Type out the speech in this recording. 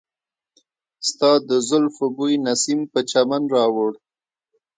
ستا د زلفو بوی نسیم په چمن راوړ.